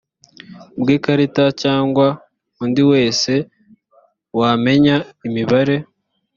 bw ikarita cyangwa undi wese wamenya imibare